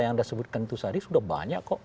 yang anda sebutkan itu tadi sudah banyak kok